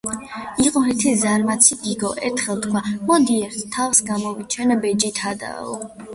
იყო ერთი ზარმაცი გიგო. ერთხელ თქვა: მოდი, ერთი თავს გამოვიჩენ ბეჯითობითაო